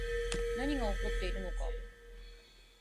何が起こっているのか